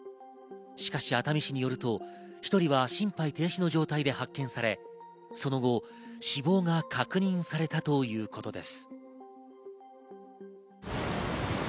しかし熱海市によると、１人は心肺停止の状態で発見され、その後、死亡が確認されたということです。